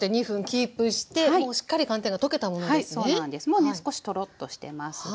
もうね少しトロッとしてますが。